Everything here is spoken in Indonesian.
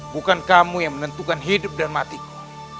bukan kamu yang menentukan hidup dan matiku